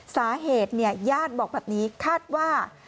สาเหตุญาติบอกแบบนี้คาดว่า